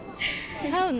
サウナ。